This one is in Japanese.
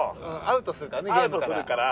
アウトするから。